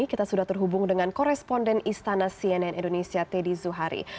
kita sudah terhubung dengan koresponden istana cnn indonesia teddy zuhari